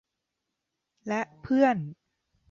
และเพื่อน